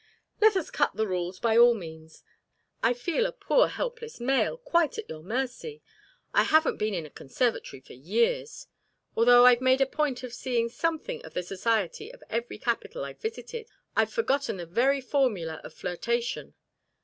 "Let us cut the rules by all means. I feel a poor helpless male, quite at your mercy: I haven't been in a conservatory for years. Although I've made a point of seeing something of the society of every capital I've visited, I've forgotten the very formula of flirtation.